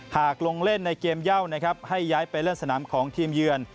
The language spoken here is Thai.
หากลงเล่นในเกมเย่านะครับให้ย้ายไปเล่นสนามของทีมเยือน